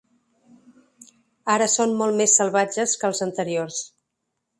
Ara són molt més salvatges que els anteriors.